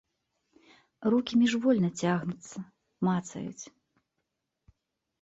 Рукі міжвольна цягнуцца, мацаюць.